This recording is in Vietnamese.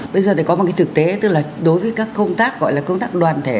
bây giờ thì có một cái thực tế tức là đối với các công tác gọi là công tác đoàn thể